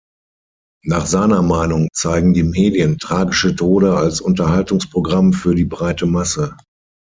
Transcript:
Nach seiner Meinung zeigen die Medien tragische Tode als Unterhaltungsprogramm für die breite Masse.